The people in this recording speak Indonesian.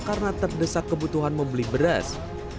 karena terdesak kebutuhan membeli beras